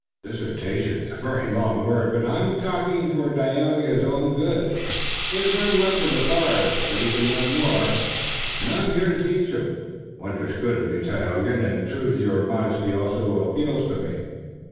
"Dissertation is a very long word, but I am talking for Dagaeoga's own good. He has learned much of the forest, but he can learn more, and I am here to teach him." "Wondrous good of you, Tayoga, and, in truth, your modesty also appeals to me.